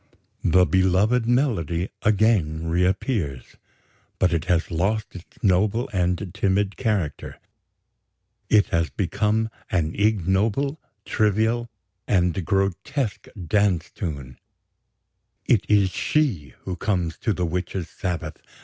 The beloved melody again reappears; but it has lost its noble and timid character; it has become an ignoble, trivial, and grotesque dance tune: it is she who comes to the witches' Sabbath....